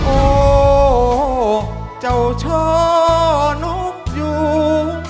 โอ้เจ้าช่อนกอยู่